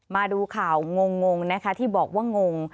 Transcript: มาดูข่าวงงนะคะที่บอกว่างง